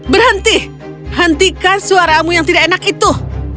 berhenti hentikan suaramu yang tidak enak itu